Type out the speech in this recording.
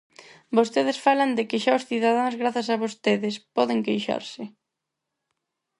Vostedes falan de que xa os cidadáns, grazas a vostedes, poden queixarse.